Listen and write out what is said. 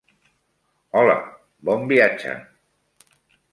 Hola, bon viatge.